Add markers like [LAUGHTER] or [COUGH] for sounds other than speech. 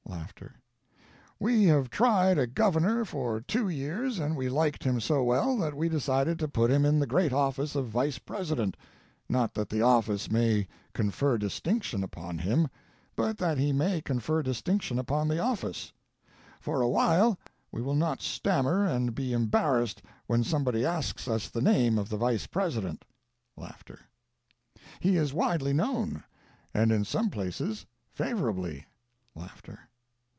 [LAUGHS] We have tried a Governor for two years and we liked him so well that we decided to put him in the great office of Vice President, not that the office may confer distinction upon him, but that he may confer distinction upon the office. For a while we will not stammer and be embarrassed when somebody asks us the name of the Vice President. [LAUGHS] He is widely known, and in some places favorably. [Laughter.